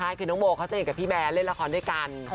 ใช่คือน้องโบเขาจะเห็นกับพี่แบร์เล่นละครด้วยกัน